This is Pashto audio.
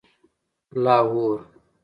لاهور